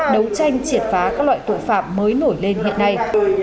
đấu tranh triệt phá các loại tội phạm mới nổi lên hiện nay